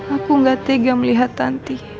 aku gak tega melihat nanti